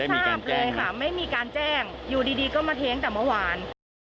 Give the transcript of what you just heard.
ทราบเลยค่ะไม่มีการแจ้งอยู่ดีก็มาเท้งแต่เมื่อวาน